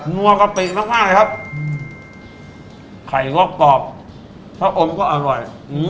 นัวกะปิน้องม่ายครับไข่ก็กรอบชะอมก็อร่อย